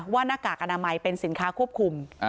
หน้ากากอนามัยเป็นสินค้าควบคุม